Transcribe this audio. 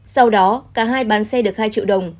sau đó cả hai bán xe được hai triệu đồng